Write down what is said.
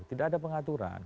tidak ada pengaturan